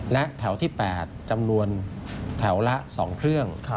และแถวที่๘จำนวนแถวละ๒เครื่อง